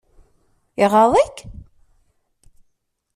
Iɣaḍ-ik?